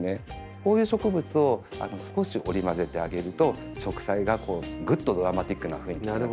こういう植物を少し織り交ぜてあげると植栽がぐっとドラマチックな雰囲気に。